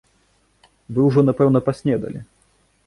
Вы ўжо напэўна паснедалі.